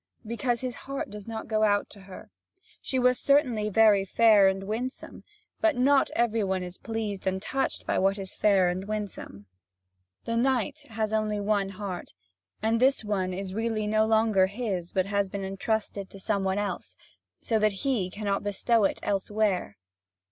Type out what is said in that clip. Because his heart does not go out to her. She was certainly very fair and winsome, but not every one is pleased and touched by what is fair and winsome. The knight has only one heart, and this one is really no longer his, but has been entrusted to some one else, so that he cannot bestow it elsewhere.